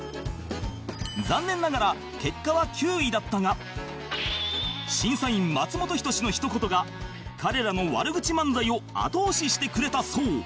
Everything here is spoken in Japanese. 残念ながら結果は９位だったが審査員松本人志のひと言が彼らの悪口漫才を後押ししてくれたそう